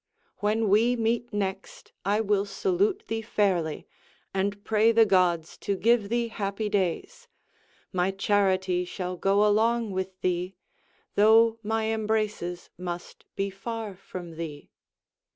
When we meet next, I will salute thee fairly, And pray the gods to give thee happy days: My charity shall go along with thee, Though my embraces must be far from thee.